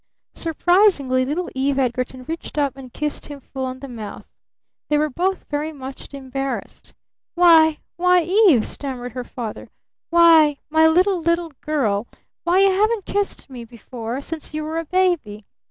Surprisingly little Eve Edgarton reached up and kissed him full on the mouth. They were both very much embarrassed. "Why why, Eve!" stammered her father. "Why, my little little girl! Why, you haven't kissed me before since you were a baby!"